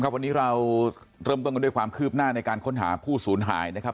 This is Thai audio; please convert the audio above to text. วันนี้เราเริ่มต้นกันด้วยความคืบหน้าในการค้นหาผู้สูญหายนะครับ